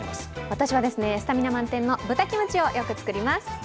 私はスタミナ満点の豚キムチをよく作ります。